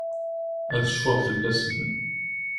Ad cfuɣ fell-asen.